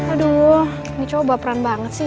aduh ini coba baperan banget sih